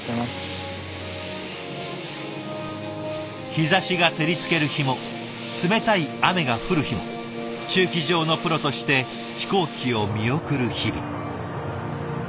日ざしが照りつける日も冷たい雨が降る日も駐機場のプロとして飛行機を見送る日々。